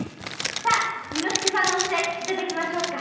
さ巳之助さんのお布施いただきましょうか。